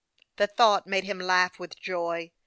The thought made him laugh with joy.